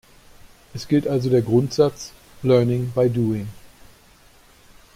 Es gilt also der Grundsatz "Learning by Doing".